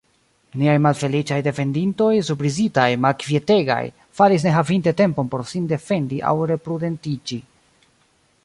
Niaj malfeliĉaj defendintoj, surprizitaj, malkvietegaj, falis ne havinte tempon por sin defendi aŭ reprudentiĝi.